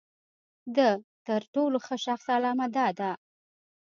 د تر ټولو ښه شخص علامه دا ده.